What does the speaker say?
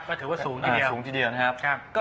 ก็ถือว่าสูงทีเดียวนะครับ